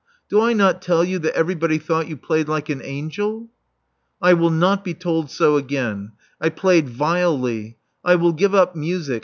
Do I not tell you that everybody thought you played like an angel?" "I will not be told so again. I played vilely. I will give up music.